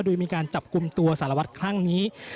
โดยมีการจับกลุ่มตัวสารวัตรครั้งนี้